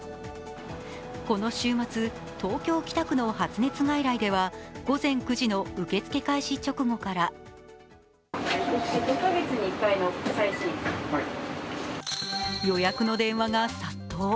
この週末、東京・北区の発熱外来では午前９時の受け付け開始直後から予約の電話が殺到。